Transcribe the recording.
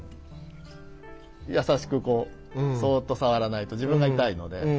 優しくこうそっとさわらないと自分が痛いので。